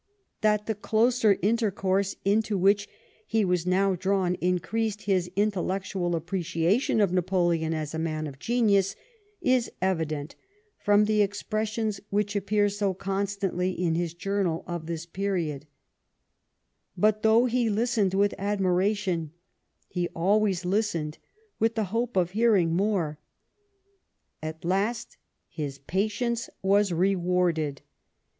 That the closer intercourse into which he was now drawn increased his intellectual appreciation of Napoleon as a man of genius is evident from the expressions which appear so constantly in his journal of this period ; but, though he listened with admiration, he always listened with the hope of hearing more. At last his patience was rewarded.